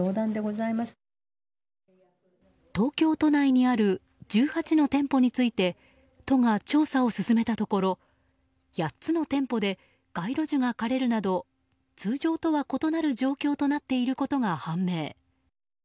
東京都内にある１８の店舗について都が調査を進めたところ８つの店舗で街路樹が枯れるなど通常とは異なる状況となっていることが判明。